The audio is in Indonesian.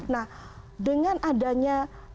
nah dengan adanya